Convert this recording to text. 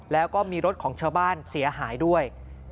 แล้วก็มีรถของชาวบ้านเสียหายด้วย